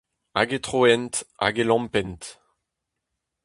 Hag e troent, hag e lampent !